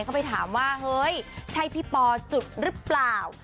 เข้าไปถามว่าเฮ้ยใช่พี่ปอจุดหรือเปล่า